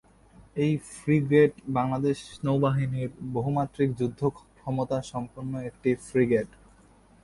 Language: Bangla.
এই ফ্রিগেট বাংলাদেশ নৌবাহিনীর বহুমাত্রিক যুদ্ধ ক্ষমতা সম্পন্ন একটি ফ্রিগেট।